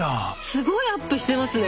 すごいアップしてますね！